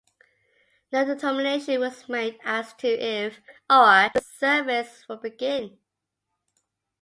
No determination was made as to if or when this service would begin.